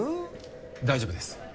大丈夫です。